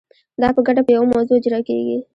دا په ګډه په یوه موضوع اجرا کیږي.